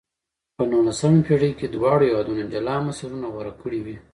په نولسمه پېړۍ کې دواړو هېوادونو جلا مسیرونه غوره کړې وې.